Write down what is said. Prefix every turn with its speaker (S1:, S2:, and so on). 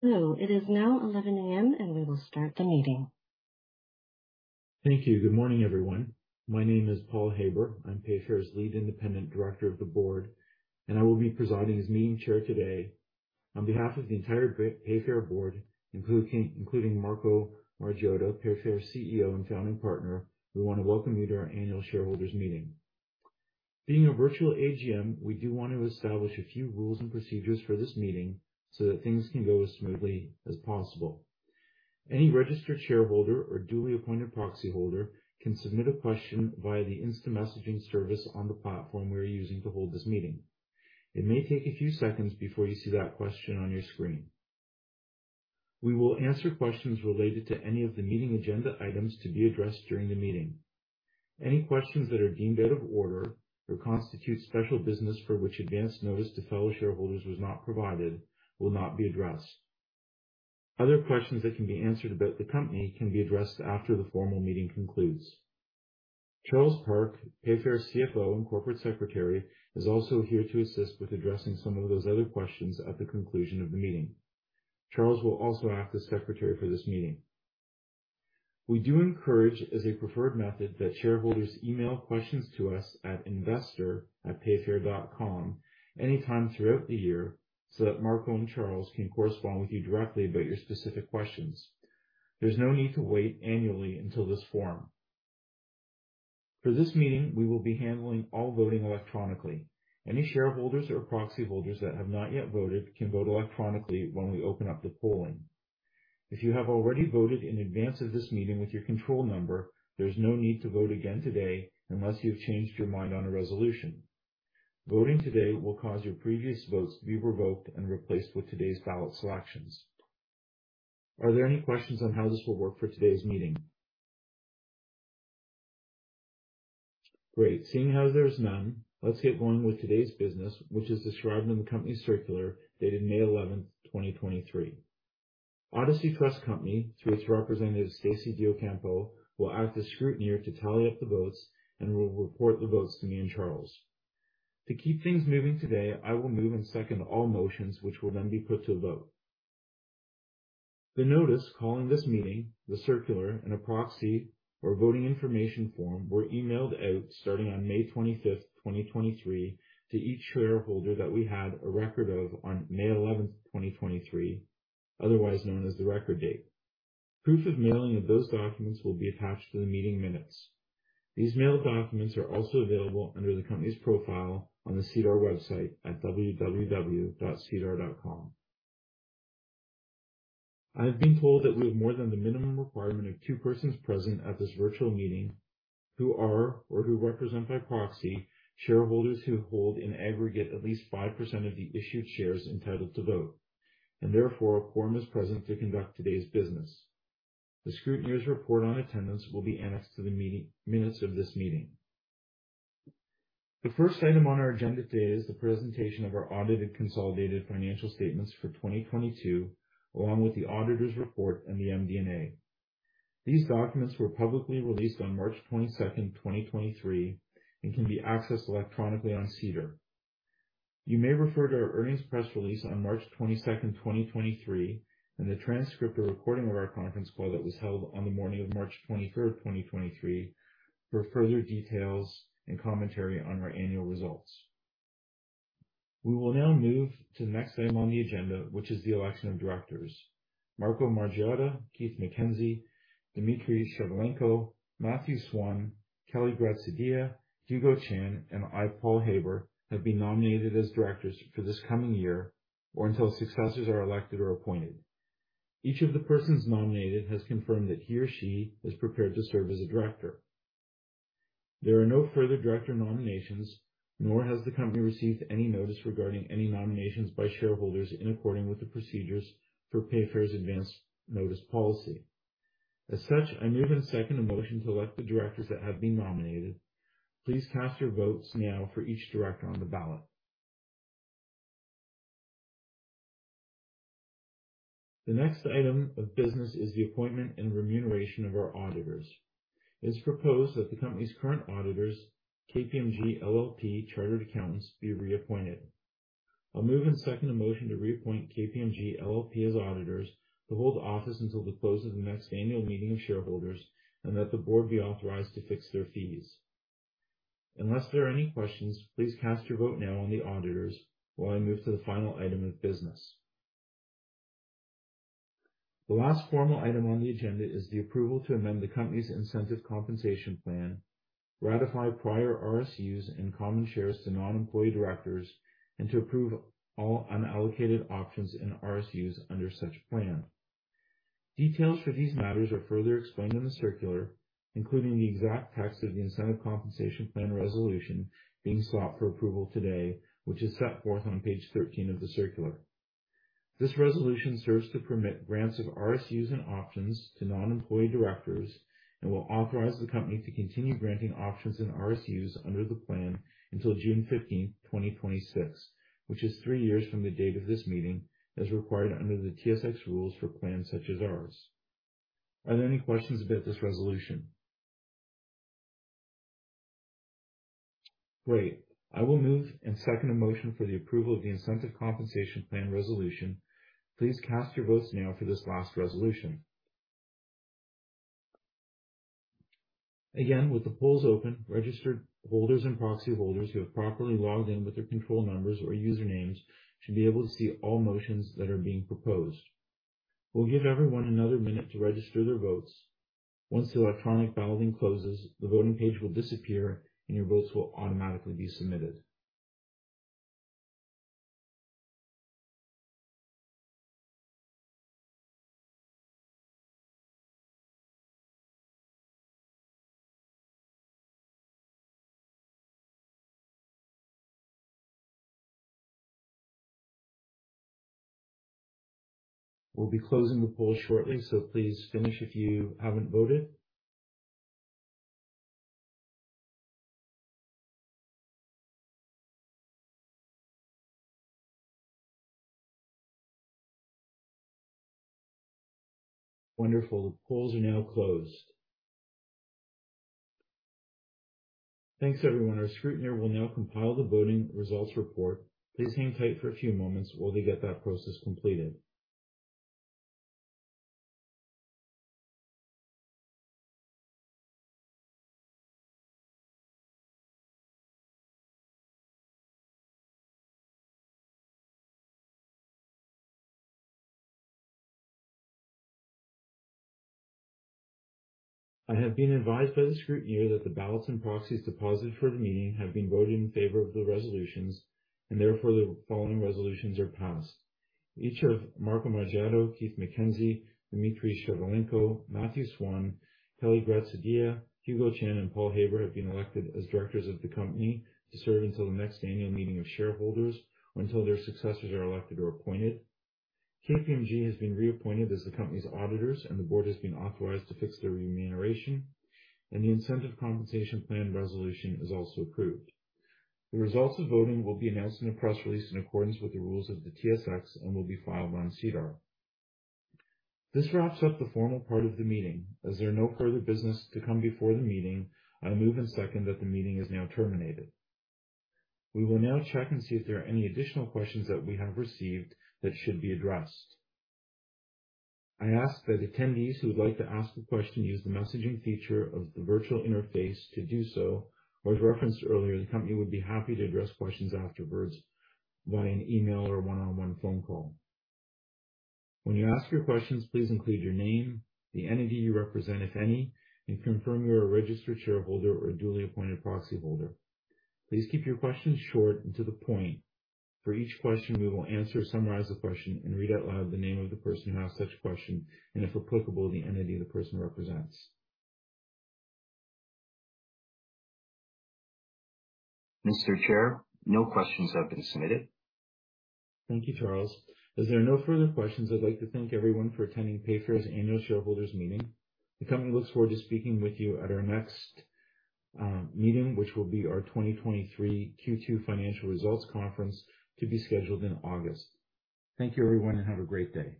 S1: Hello. It is now 11:00 A.M. We will start the meeting.
S2: Thank you. Good morning, everyone. My name is Paul Haber. I'm Payfare's Lead Independent Director of the board. I will be presiding as meeting chair today. On behalf of the entire Payfare board, including Marco Margiotta, Payfare CEO and Founding Partner, we wanna welcome you to our annual shareholders meeting. Being a virtual AGM, we do want to establish a few rules and procedures for this meeting so that things can go as smoothly as possible. Any registered shareholder or duly appointed proxy holder can submit a question via the instant messaging service on the platform we're using to hold this meeting. It may take a few seconds before you see that question on your screen. We will answer questions related to any of the meeting agenda items to be addressed during the meeting. Any questions that are deemed out of order or constitute special business for which advanced notice to fellow shareholders was not provided will not be addressed. Other questions that can be answered about the company can be addressed after the formal meeting concludes. Charles Park, Payfare's CFO and Corporate Secretary, is also here to assist with addressing some of those other questions at the conclusion of the meeting. Charles will also act as secretary for this meeting. We do encourage, as a preferred method, that shareholders email questions to us at investor@payfare.com anytime throughout the year so that Marco and Charles can correspond with you directly about your specific questions. There's no need to wait annually until this forum. For this meeting, we will be handling all voting electronically. Any shareholders or proxy holders that have not yet voted can vote electronically when we open up the polling. If you have already voted in advance of this meeting with your control number, there's no need to vote again today unless you've changed your mind on a resolution. Voting today will cause your previous votes to be revoked and replaced with today's ballot selections. Are there any questions on how this will work for today's meeting? Great. Seeing how there's none, let's get going with today's business, which is described in the company's circular dated May 11, 2023. Odyssey Trust Company, through its representative, Stacy DeOcampo, will act as scrutineer to tally up the votes and will report the votes to me and Charles. To keep things moving today, I will move and second all motions, which will then be put to a vote. The notice calling this meeting, the circular and a proxy or voting information form, were emailed out starting on May 25, 2023 to each shareholder that we had a record of on May 11, 2023, otherwise known as the record date. Proof of mailing of those documents will be attached to the meeting minutes. These mailed documents are also available under the company's profile on the SEDAR website at www.sedar.com. I have been told that we have more than the minimum requirement of two persons present at this virtual meeting who are or who represent by proxy shareholders who hold in aggregate at least 5% of the issued shares entitled to vote. Therefore, a quorum is present to conduct today's business. The scrutineer's report on attendance will be annexed to the meeting minutes of this meeting. The first item on our agenda today is the presentation of our audited consolidated financial statements for 2022, along with the auditor's report and the MD&A. These documents were publicly released on March 22, 2023, and can be accessed electronically on SEDAR. You may refer to our earnings press release on March 22, 2023, and the transcript or recording of our conference call that was held on the morning of March 23, 2023, for further details and commentary on our annual results. We will now move to the next item on the agenda, which is the election of directors. Marco Margiotta, Keith McKenzie, Dmitry Shevelenko, Matthew Swann, Kelly Graziadei, Hugo Chan, and I, Paul Haber, have been nominated as directors for this coming year or until successors are elected or appointed. Each of the persons nominated has confirmed that he or she is prepared to serve as a director. There are no further director nominations, nor has the company received any notice regarding any nominations by shareholders in accordance with the procedures for Payfare's advance notice policy. I move and second a motion to elect the directors that have been nominated. Please cast your votes now for each director on the ballot. The next item of business is the appointment and remuneration of our auditors. It's proposed that the company's current auditors, KPMG LLP Chartered Accountants, be reappointed. I'll move and second a motion to reappoint KPMG LLP as auditors to hold office until the close of the next annual meeting of shareholders, and that the board be authorized to fix their fees. Unless there are any questions, please cast your vote now on the auditors while I move to the final item of business. The last formal item on the agenda is the approval to amend the company's incentive-compensation plan, ratify prior RSUs and common shares to non-employee directors, and to approve all unallocated options and RSUs under such plan. Details for these matters are further explained in the circular, including the exact text of the incentive-compensation plan resolution being sought for approval today, which is set forth on page 13 of the circular. This resolution serves to permit grants of RSUs and options to non-employee directors and will authorize the company to continue granting options and RSUs under the plan until June 15, 2026, which is 3 years from the date of this meeting, as required under the TSX rules for plans such as ours. Are there any questions about this resolution? Great. I will move and second a motion for the approval of the incentive compensation plan resolution. Please cast your votes now for this last resolution. With the polls open, registered holders and proxy holders who have properly logged in with their control numbers or usernames should be able to see all motions that are being proposed. We'll give everyone another minute to register their votes. Once the electronic balloting closes, the voting page will disappear and your votes will automatically be submitted. We'll be closing the poll shortly, so please finish if you haven't voted. Wonderful. The polls are now closed. Thanks, everyone. Our scrutineer will now compile the voting results report. Please hang tight for a few moments while we get that process completed. I have been advised by the scrutineer that the ballots and proxies deposited for the meeting have been voted in favor of the resolutions, and therefore the following resolutions are passed. Each of Marco Margiotta, Keith McKenzie, Dmitry Shevelenko, Matthew Swann, Kelly Graziadei, Hugo Chan, and Paul Haber have been elected as directors of the company to serve until the next annual meeting of shareholders or until their successors are elected or appointed. KPMG has been reappointed as the company's auditors, and the board has been authorized to fix their remuneration, and the incentive-compensation plan resolution is also approved. The results of voting will be announced in a press release in accordance with the rules of the TSX and will be filed on SEDAR. This wraps up the formal part of the meeting. As there are no further business to come before the meeting, I move and second that the meeting is now terminated. We will now check and see if there are any additional questions that we have received that should be addressed. I ask that attendees who would like to ask a question use the messaging feature of the virtual interface to do so. As referenced earlier, the company would be happy to address questions afterwards via an email or one-on-one phone call. When you ask your questions, please include your name, the entity you represent, if any, and confirm you're a registered shareholder or a duly appointed proxyholder. Please keep your questions short and to the point. For each question, we will answer, summarize the question and read out loud the name of the person who asked such question and, if applicable, the entity the person represents.
S3: Mr.Chair, no questions have been submitted.
S2: Thank you, Charles. As there are no further questions, I'd like to thank everyone for attending Payfare's annual shareholders meeting. The company looks forward to speaking with you at our next meeting, which will be our 2023 Q2 financial results conference to be scheduled in August. Thank you, everyone, and have a great day.